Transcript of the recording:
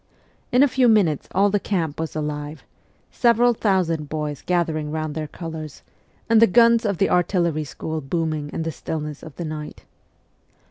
In a few minutes all the camp was alive several thousand boys gathering round their colours, and the guns of the artillery school booming in the stillness of ^he night.